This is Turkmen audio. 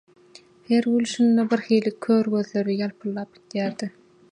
Her gülüşünde birhili kör gözleri ýalpyldap gidýärdi.